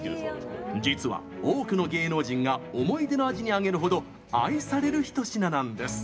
実は、多くの芸能人が思い出の味にあげるほど愛されるひと品なんです。